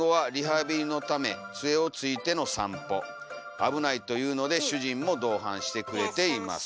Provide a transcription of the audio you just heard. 危ないというので主人も同伴してくれています」。